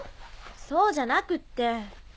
そうじゃなくって。